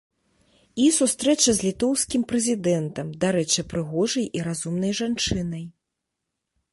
І сустрэча з літоўскім прэзідэнтам, дарэчы, прыгожай і разумнай жанчынай.